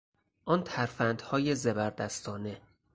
آن ترفندهای زبردستانه!